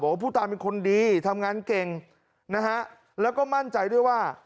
ว่าผู้ตายเป็นคนดีทำงานเก่งนะฮะแล้วก็มั่นใจด้วยว่า